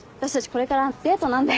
これからデートなんで。